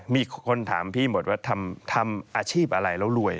มีคนถามพี่หมดว่าทำอาชีพอะไรแล้วรวย